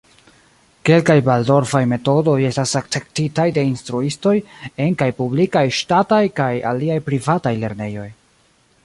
Kelkaj valdorfaj metodoj estas akceptitaj de instruistoj en kaj publikaj-ŝtataj kaj aliaj privataj lernejoj.